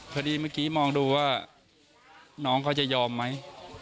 พอดีเมื่อกี้มองดูว่าน้องเขาจะยอมไหม